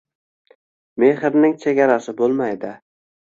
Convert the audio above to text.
Mehrning chegarasi bo‘lmaydi